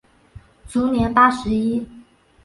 卒年八十一。